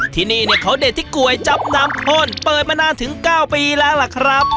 ที่นี่เนี่ยเขาเด็ดที่ก๋วยจับน้ำข้นเปิดมานานถึง๙ปีแล้วล่ะครับ